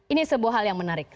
ini sebuah hal yang menarik